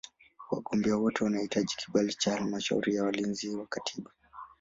Wagombea wote wanahitaji kibali cha Halmashauri ya Walinzi wa Katiba.